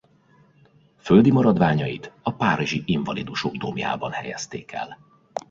Földi maradványait a párizsi Invalidusok dómjában helyezték el.